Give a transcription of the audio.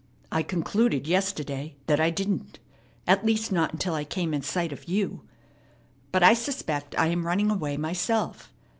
I concluded yesterday that I didn't. At least, not until I came in sight of you. But I suspect I am running away myself.